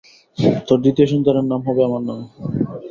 তোর দ্বিতীয় সন্তানের নাম হবে আমার নামে।